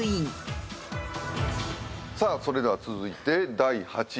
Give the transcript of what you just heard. さあそれでは続いて第８位。